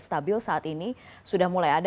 stabil saat ini sudah mulai ada